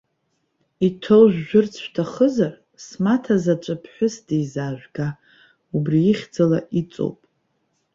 Иҭоу жәжәырц шәҭахызар, смаҭа заҵәы ԥҳәыс дизаажәга, убри ихьӡала иҵоуп.